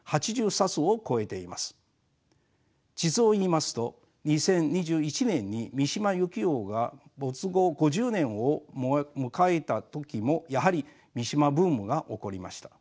実を言いますと２０２１年に三島由紀夫が没後５０年を迎えた時もやはり三島ブームが起こりました。